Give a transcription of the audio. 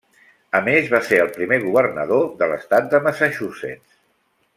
A més, va ser el primer governador de l'Estat de Massachusetts.